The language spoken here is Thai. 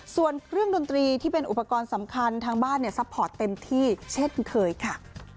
ส่วนเครื่องดนตรีที่เป็นอุปกรณ์สำคัญทางบ้านเนี่ยซัพพอร์ตเต็มที่เช่นเคยค่ะ